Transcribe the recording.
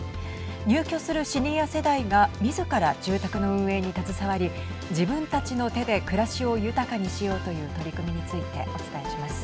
入居するシニア世代がみずから住宅の運営に携わり自分たちの手で暮らしを豊かにしようという取り組みについてお伝えします。